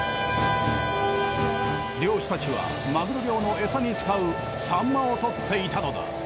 漁師たちはマグロ漁のエサに使うサンマを獲っていたのだ。